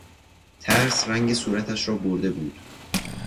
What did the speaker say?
ترس رنگ صورتش را برده بود.